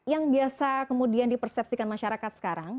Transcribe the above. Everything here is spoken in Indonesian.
yang biasa kemudian dipersepsikan masyarakat sekarang